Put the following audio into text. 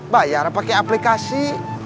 bayar pakai aplikasi